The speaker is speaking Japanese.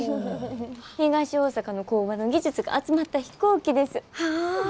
東大阪の工場の技術が集まった飛行機です。